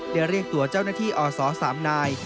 ได้เรียกตัวเจ้าหน้าที่อสสามนาย